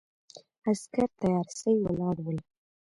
عسکر تیارسي ولاړ ول.